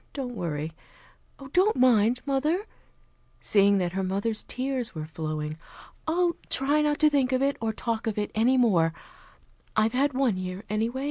Don't worry. Don't mind, mother " seeing that her mother's tears were flowing. "I'll try not to think of it or talk of it any more. I've had one year, anyway.